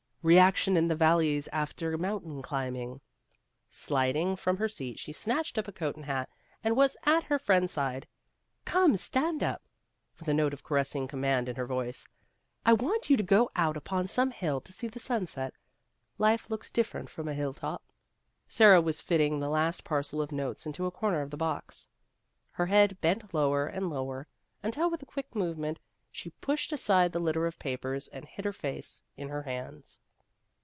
" Reaction in the valleys after mountain climbing." Sliding from her seat, she snatched up a coat and hat, and was at her friend's side. " Come, stand up !" with a note of caressing com mand in her voice ;" I want you to go out upon some hill to see the sunset. Life looks different from a hilltop." Sara was fitting the last parcel of notes into a corner of the box. Her head bent lower and lower until with a quick move ment she pushed aside the litter of papers and hid her face in her hands.